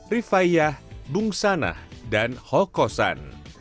rifaiyah bungsanah dan hokosan